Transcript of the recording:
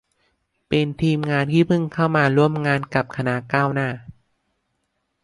เป็นทีมงานที่เพิ่งเข้ามาร่วมงานกับคณะก้าวหน้า